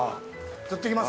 寄ってきます？